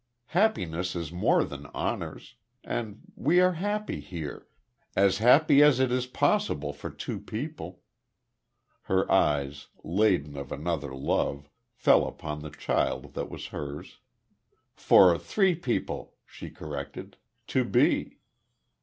Happiness is more than honors; and we are happy here as happy as it is possible for two people" her eyes, laden of the mother love, fell upon the child that was hers, "for three people," she corrected, "to be.